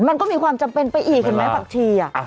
มันก็มีความจำเป็นไปอีกเห็นไหมผักชี